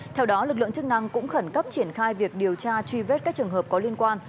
theo đó lực lượng chức năng cũng khẩn cấp triển khai việc điều tra truy vết các trường hợp có liên quan